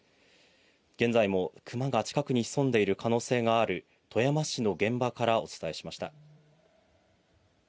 現在もクマが近くに潜んでいる可能性がある富山市の現場からお伝えしました。